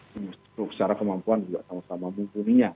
secara kemampuan juga sama sama mumpuninya